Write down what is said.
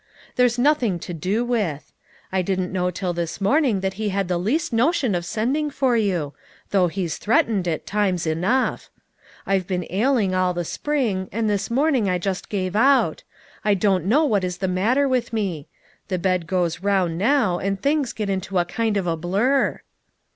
There's nothing to do with. I didn't know till this morning that he had the least notion of sending for you though he's threatened it THE TRUTH IS TOLD. 53 times enough. I've been ailing all the spring, and this morning I just give out. I don't know what is the matter with me. The bed goes round now, and things get into a kind of a blur."